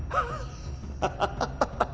ハハハハハ！